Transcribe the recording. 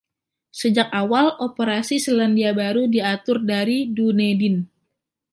Sejak awal operasi Selandia Baru diatur dari Dunedin.